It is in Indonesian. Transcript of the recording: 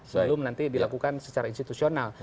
sebelum nanti dilakukan secara institusional